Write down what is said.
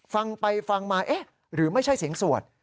ฟังไปฟังมาเอ๊ะหรือไม่ใช่เสียงสวด